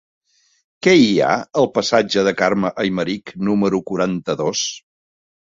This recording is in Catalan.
Què hi ha al passatge de Carme Aymerich número quaranta-dos?